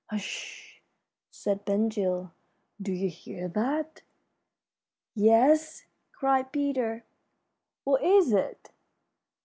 "Hush!" said Ben Gile. "Do you hear that?" "Yes," cried Peter. "What is it?"